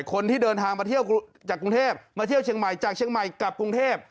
คนที่เดินทางมาเที่ยวจากกรุงเทพมาเที่ยวเชียงใหม่จากเชียงใหม่กลับกรุงเทพ